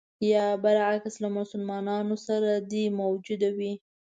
یا برعکس له مسلمانانو سره دې موجوده وي.